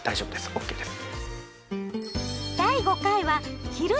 ＯＫです。